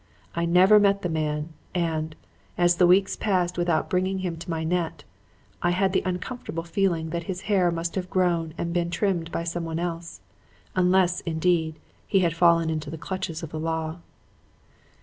I never met the man; and, as the weeks passed without bringing him to my net, I had the uncomfortable feeling that his hair must have grown and been trimmed by someone else; unless, indeed, he had fallen into the clutches of the law.